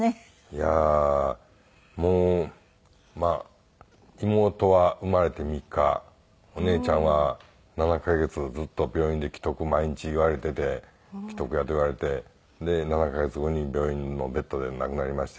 いやもう妹は生まれて３日お姉ちゃんは７カ月ずっと病院で危篤毎日言われていて「危篤や」って言われてで７カ月後に病院のベッドで亡くなりまして。